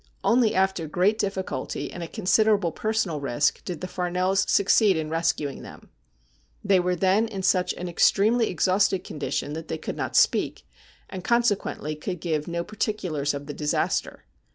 Only after great difficulty and at con siderable personal risk did the Farnells succeed in rescuing them. They were then in svich an extremely exhausted con dition that they could not speak, and consequently could give no particulars of the disaster.